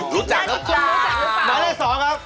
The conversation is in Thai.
นี่รู้จักหรือเปล่านักเล่น๒ครับ